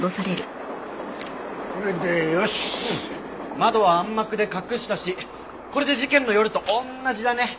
窓は暗幕で隠したしこれで事件の夜と同じだね。